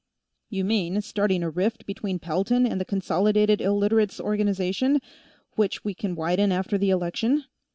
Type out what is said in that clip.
"You mean, starting a rift between Pelton and the Consolidated Illiterates' Organization, which we can widen after the election?"